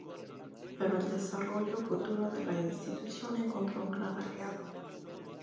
Pero el desarrollo futuro de la institución encontró un gran aliado.